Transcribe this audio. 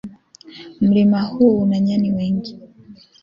Mlima huu una nyani wengi